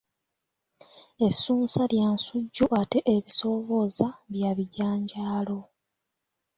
Essunsa lya nsujju ate ebisoobooza bya bijanjaalo.